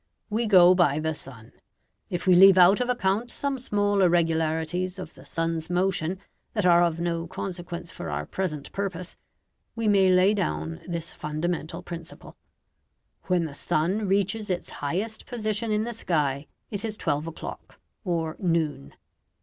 We go by the sun. If we leave out of account some small irregularities of the sun's motion that are of no consequence for our present purpose, we may lay down this fundamental principle: When the sun reaches its highest position in the sky it is twelve o'clock or noon.